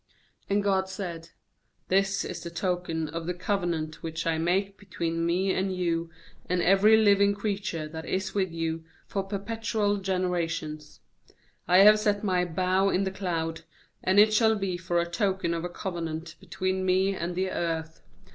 12And God said: 'This is the token of the covenant which I make between Me and you and every living creature that is with you, for perpetual generations: WI have set My bow in the cloud, and it shall be for a token of a covenant between Me and the earth.